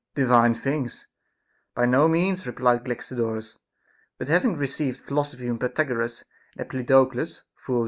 Divine things ! by no means, replied Galaxi dorus ; but having received philosophy from Pythagoras and Empedocles, full of.